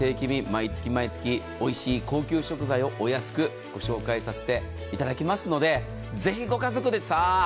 毎月毎月おいしい高級食材をお安くご紹介させていただきますのでぜひご家族で。